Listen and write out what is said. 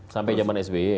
sampai zaman sby